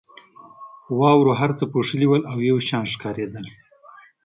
واورو هر څه پوښلي ول او یو شان ښکارېدل.